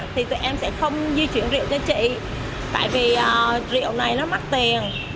thì tụi em sẽ không di chuyển rượu cho chị tại vì rượu này nó mất tiền